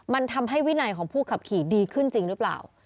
มันทำให้วินัยของผู้ขับขี่ดีขึ้นจริงหรือเปล่า